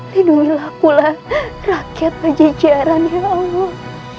lindungilah pula rakyat bajajiaran ya allah